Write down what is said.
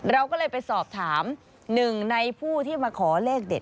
เราก็เลยไปสอบถามหนึ่งในผู้ที่มาขอเลขเด็ด